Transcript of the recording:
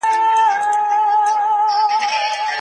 هغه یو پښتون اتل و.